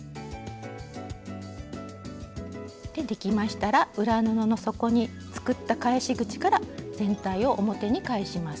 できましたら裏布の底に作った返し口から全体を表に返します。